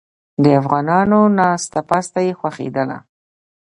د افغانانو ناسته پاسته یې خوښیدله.